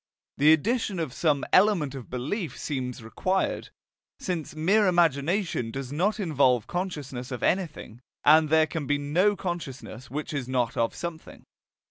The addition of some element of belief seems required, since mere imagination does not involve consciousness of anything, and there can be no consciousness which is not of something.